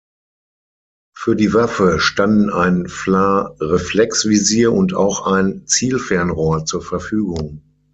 Für die Waffe standen ein Fla-Reflexvisier und auch ein Zielfernrohr zur Verfügung.